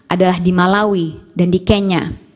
adalah di malawi dan di kenya